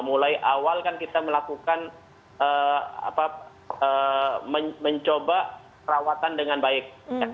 mulai awal kan kita melakukan mencoba perawatan dengan baik